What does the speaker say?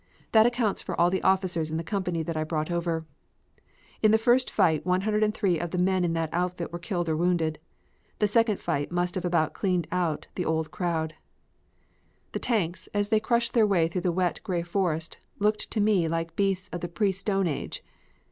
That accounts for all the officers in the company that I brought over. In the first fight 103 of the men in that outfit were killed or wounded. The second fight must have about cleaned out the old crowd. The tanks, as they crushed their way through the wet, gray forest looked to me like beasts of the pre stone age.